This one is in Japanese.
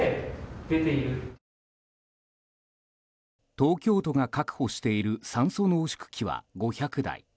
東京都が確保している酸素濃縮器は５００台。